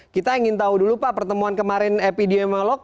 kita ingin tahu dulu pak pertemuan kemarin epidemiolog